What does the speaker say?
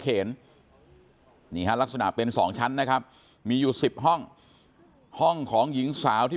เขนนี่ฮะลักษณะเป็น๒ชั้นนะครับมีอยู่๑๐ห้องห้องของหญิงสาวที่